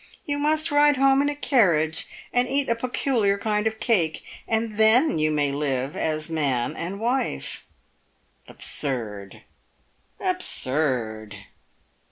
You must ride home in a carriage, and eat a peculiar kind of cake, and then you may live together as man and wife. Absurd ! absurd